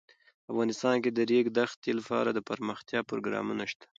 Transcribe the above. افغانستان کې د د ریګ دښتې لپاره دپرمختیا پروګرامونه شته.